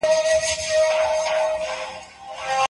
موږ به په ګډه د علمي پرمختګ لپاره هڅې کوو.